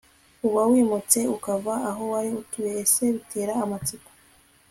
uba wimutse ukava aho wari utuye Ese bitera amatsiko